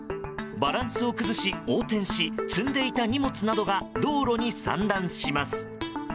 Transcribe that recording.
バランスを崩し横転し積んでいた荷物などが道路に散乱します。